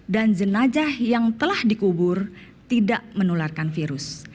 dan jenajah yang telah dikubur tidak menularkan virus